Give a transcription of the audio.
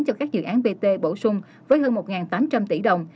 cho các dự án bt bổ sung với hơn một tám trăm linh tỷ đồng